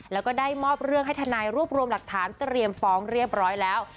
แล้วก็ได้มอบเรื่องให้ทนายรวบรวมหลักฐานเตรียมฟ้องเรียบร้อยแล้ว